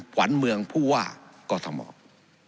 หวานเมืองผู้ว่ากษมมติ